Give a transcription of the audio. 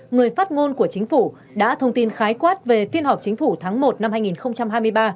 người phát ngôn của chính phủ đã thông tin khái quát về phiên họp chính phủ tháng một năm